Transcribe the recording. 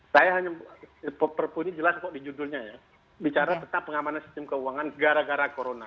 saya hanya perpu ini jelas kok di judulnya ya bicara tentang pengamanan sistem keuangan gara gara corona